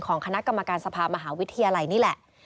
คณะกรรมการสภามหาวิทยาลัยนี่แหละ